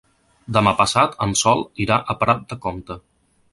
Demà passat en Sol irà a Prat de Comte.